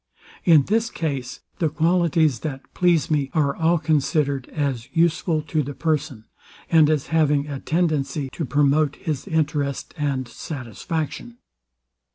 In this case, the qualities that please me are all considered as useful to the person, and as having a tendency to promote his interest and satisfaction.